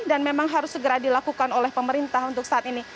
dan memang harus segera dilakukan oleh pemerintah untuk saat ini